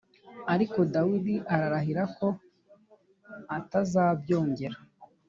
ariko Dawidi ararahira ko ata zabyongera